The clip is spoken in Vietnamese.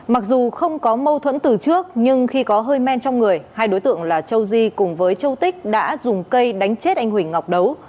mặc dù không có mâu thuẫn từ trước nhưng khi có hơi men trong người hai đối tượng là châu di cùng với châu tích đã dùng cây đánh chết anh huỳnh ngọc đấu